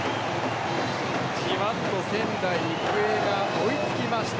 じわっと仙台育英が追いつきました。